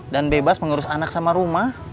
dan bebas mengurus anak sama rumah